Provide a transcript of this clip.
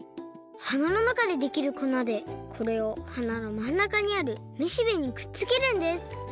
はなのなかでできるこなでこれをはなのまんなかにあるめしべにくっつけるんです。